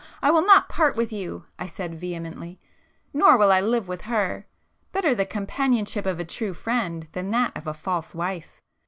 I will not part with you!" I said vehemently—"Nor will I live with her! Better the companionship of a true friend than that of a false wife!"